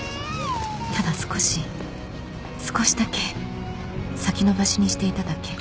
ただ少し少しだけ先延ばしにしていただけ